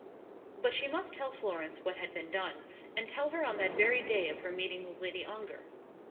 But she must tell Florence what had been done, and tell her on that very day of her meeting with Lady Ongar.